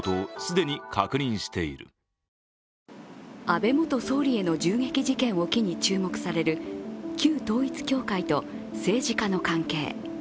安倍元総理への銃撃事件を機に注目される旧統一教会と、政治家の関係。